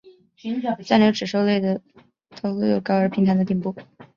三瘤齿兽类的头颅有高而平坦的顶部。